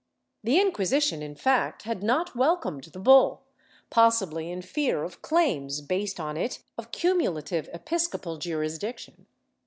^ The Inquisition, in fact, had not welcomed the bull, possibly in fear of claims based on it of cumulative episcopal jurisdiction.